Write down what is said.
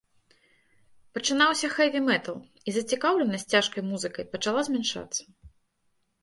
Пачынаўся хэві-метал, і зацікаўленасць цяжкай музыкай пачала змяншацца.